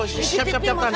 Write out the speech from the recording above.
siap siap siap tante